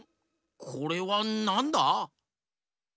これはなんだ？